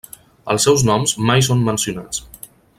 Els seus noms mai són mencionats.